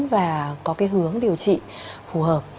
và có cái hướng điều trị phù hợp